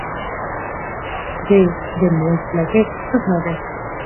د ډیمریج لګښت څومره دی؟